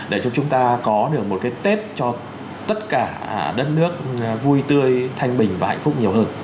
để cho chúng ta có được một cái tết cho tất cả đất nước vui tươi thanh bình và hạnh phúc nhiều hơn